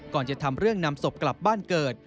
ก่อนจะทำเรื่องนำศพกลับบ้านเกิด